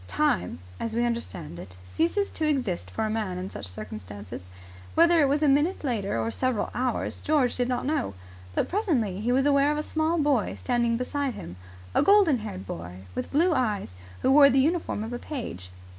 Time, as we understand it, ceases to exist for a man in such circumstances. Whether it was a minute later or several hours, George did not know; but presently he was aware of a small boy standing beside him a golden haired boy with blue eyes, who wore the uniform of a page.